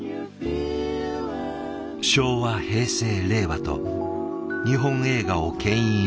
昭和平成令和と日本映画をけん引し続けた男